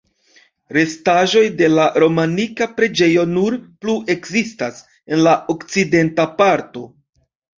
Restaĵoj de la romanika preĝejo nur plu ekzistas en la okcidenta parto.